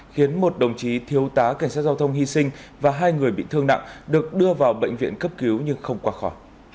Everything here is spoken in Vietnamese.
khiến một đồng chí thiếu tá cảnh sát giao thông hy sinh và hai người bị thương nặng được đưa vào bệnh viện cấp cứu nhưng không qua khỏi